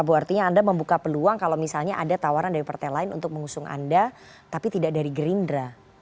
bu artinya anda membuka peluang kalau misalnya ada tawaran dari partai lain untuk mengusung anda tapi tidak dari gerindra